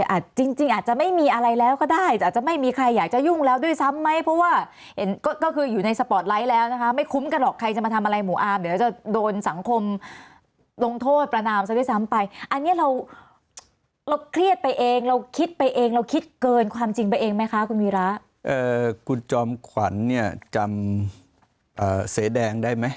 จริงจริงอาจจะไม่มีอะไรแล้วก็ได้แต่อาจจะไม่มีใครอยากจะยุ่งแล้วด้วยซ้ำไหมเพราะว่าเห็นก็คืออยู่ในสปอร์ตไลท์แล้วนะคะไม่คุ้มกันหรอกใครจะมาทำอะไรหมู่อาร์มเดี๋ยวจะโดนสังคมลงโทษประนามซะด้วยซ้ำไปอันนี้เราเราเครียดไปเองเราคิดไปเองเราคิดเกินความจริงไปเองไหมคะคุณวีระคุณจอมขวัญเนี่ยจำเสแดงได้ไหม